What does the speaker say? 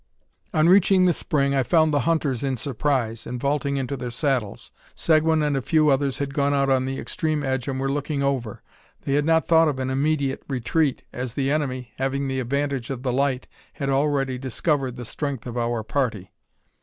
On reaching the spring I found the hunters in surprise, and vaulting into their saddles. Seguin and a few others had gone out on the extreme edge, and were looking over. They had not thought of an immediate retreat, as the enemy, having the advantage of the light, had already discovered the strength of our party.